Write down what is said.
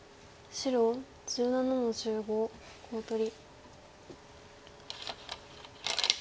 黒１８の十五コウ取り。